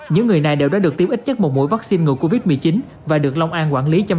những người này đều đã được tiêm ít nhất một mũi vắc xin ngừa covid một mươi chín và được long an quản lý chăm